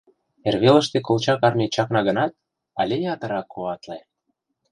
Эрвелыште Колчак армий чакна гынат, але ятырак куатле.